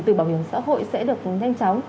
từ bảo hiểm xã hội sẽ được nhanh chóng